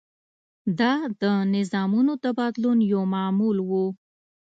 دا د نظامونو د بدلون یو معمول و.